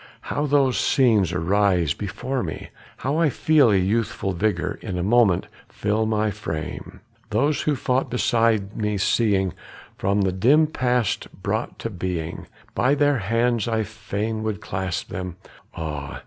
How those scenes arise before me! How I feel a youthful vigor for a moment fill my frame! Those who fought beside me seeing, from the dim past brought to being, By their hands I fain would clasp them ah!